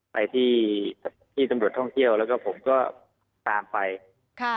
ไปที่ที่ตำรวจท่องเที่ยวแล้วก็ผมก็ตามไปค่ะ